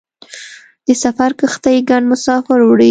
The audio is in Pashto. د سفر کښتۍ ګڼ مسافر وړي.